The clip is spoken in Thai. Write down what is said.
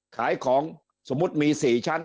ขายของสมมุติมี๔ชั้น